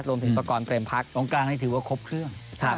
รวมถึงประกอบเกร็มพักตรงกลางนี่ถือว่าครบเครื่องครับ